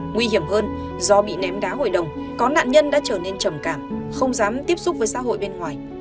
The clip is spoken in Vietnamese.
nguy hiểm hơn do bị ném đá hội đồng có nạn nhân đã trở nên trầm cảm không dám tiếp xúc với xã hội bên ngoài